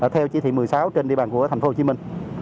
theo chỉ thị một mươi sáu trên địa bàn của thành phố hồ chí minh